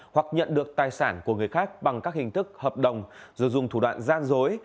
hoặc nhận được tài sản của người khác bằng các hình thức hợp đồng rồi dùng thủ đoạn gian dối